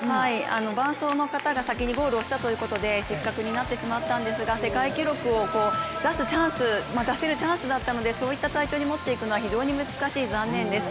伴走の方が先にゴールをしたということで失格になってしまったんですが世界記録を出すチャンス、出せるチャンスだったのでそういった、持っていくのは、難しい、残念です。